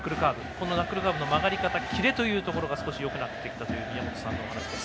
このナックルカーブの曲がり方キレというところが少しよくなってきたという宮本さんのお話。